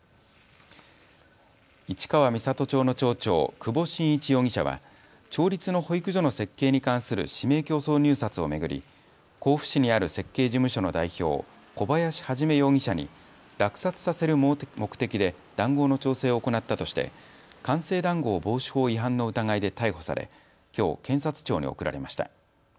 市川三郷町の町長、久保眞一容疑者は町立の保育所の設計に関する指名競争入札を巡り甲府市にある設計事務所の代表、小林一容疑者に落札させる目的で談合の調整を行ったとして官製談合防止法違反の疑いで逮捕されきょう検察庁に送られました。